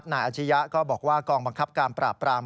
อาชียะก็บอกว่ากองบังคับการปราบปราม